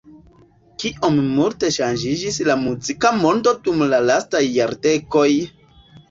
Kiom multe ŝanĝiĝis la muzika mondo dum la lastaj jardekoj!